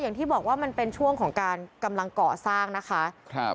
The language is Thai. อย่างที่บอกว่ามันเป็นช่วงของการกำลังก่อสร้างนะคะครับ